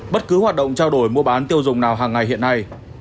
bất cứ hoạt động trao đổi mua bán tiêu dùng nào hàng ngày hiện nay